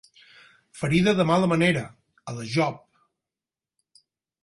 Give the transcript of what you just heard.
Ferida de mala manera, a la Job.